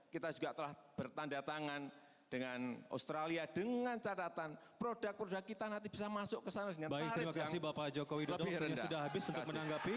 kita juga telah bertanda tangan dengan australia dengan catatan produk produk kita nanti bisa masuk ke sana dengan tarif yang lebih rendah